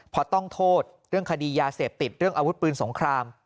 เพราะต้องโทษเรื่องคดียาเสพติดเรื่องอาวุธปืนสงคราม